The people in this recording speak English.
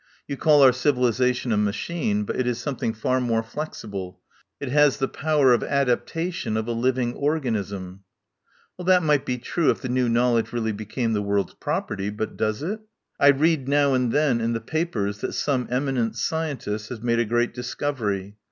You call our civilisation a machine, but it is something far more flexible. It has the power of adaptation of a living organism." "That might be true if the new knowledge really became the world's property. But does it? I read now and then in the papers that some eminent scientist has made a great dis covery.